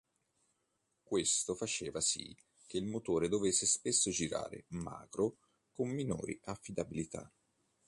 Questo faceva sì che il motore dovesse spesso girare "magro" con minori affidabilità.